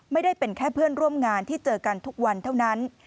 ไม่ได้เป็นแค่เพื่อนร่วมงานที่เจอกันทุกวันเท่านั้น